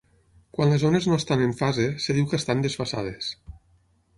Quan les ones no estan en fase, es diu que estan desfasades.